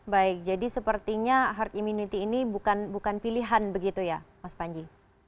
baik jadi sepertinya herd immunity ini bukan pilihan begitu ya mas panji